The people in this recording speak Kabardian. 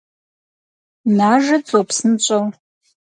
Нажэт, зо, псынщӏэу…